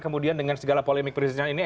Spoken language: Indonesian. kemudian dengan segala polemik perizinan ini